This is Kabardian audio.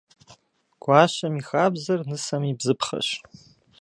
Гуащэм и хабзэр нысэм и бзыпхъэщ.